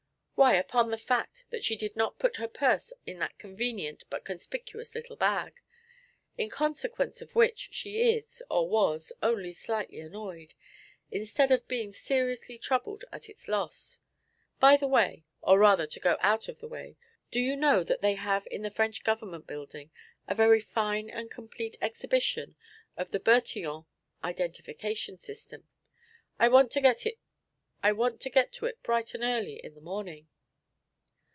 'Why, upon the fact that she did not put her purse in that convenient, but conspicuous, little bag; in consequence of which she is, or was, only slightly annoyed, instead of being seriously troubled at its loss. By the way, or rather to go out of the way, do you know that they have in the French Government Building a very fine and complete exhibition of the Bertillon identification system? I want to get to it bright and early in the morning.'